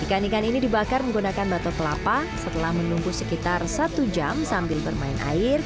ikan ikan ini dibakar menggunakan batok kelapa setelah menunggu sekitar satu jam sambil bermain air